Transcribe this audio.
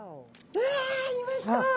うわいました！